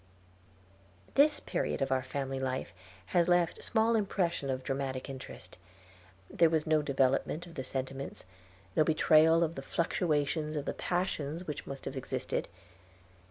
This period of our family life has left small impression of dramatic interest. There was no development of the sentiments, no betrayal of the fluctuations of the passions which must have existed.